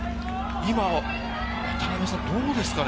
渡辺さん、どうですかね？